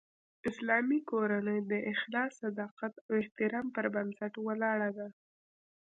اسلامي کورنۍ د اخلاص، صداقت او احترام پر بنسټ ولاړه ده